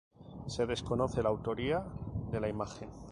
Se desconoce la autoría de la imagen.